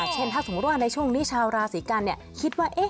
เช่นถ้าสมมุติว่าในช่วงนี้ชาวราศีกันคิดว่า